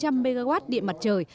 một mươi bốn trăm linh mw điện mặt trời